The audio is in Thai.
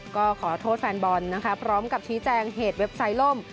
ก็ขอโทษแฟนบอลนะคะพร้อมกับชี้แจงเหตุเว็บไซต์ล่ม